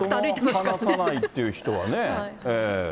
話さないという人はね。